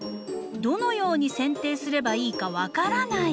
「どのようにせん定すればいいか分からない」。